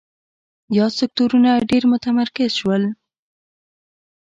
یاد سکتورونه ډېر متمرکز شول.